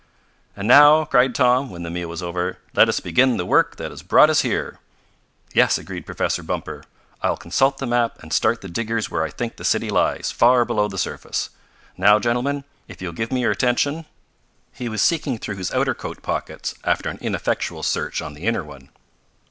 "And now," cried Tom, when the meal was over, "let us begin the work that has brought us here." "Yes," agreed Professor Bumper, "I will consult the map, and start the diggers where I think the city lies, far below the surface. Now, gentlemen, if you will give me your attention " He was seeking through his outer coat pockets, after an ineffectual search in the inner one.